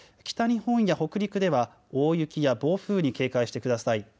北日本や北陸では大雪や暴風に警戒してください。